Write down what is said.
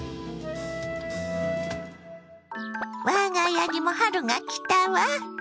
我が家にも春が来たわ。